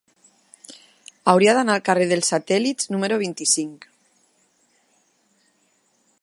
Hauria d'anar al carrer dels Satèl·lits número vint-i-cinc.